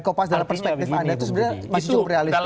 dan kopas dalam perspektif anda itu sebenarnya masih cukup realistis